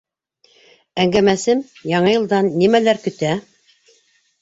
Әңгәмәсем Яңы йылдан нимәләр көтә?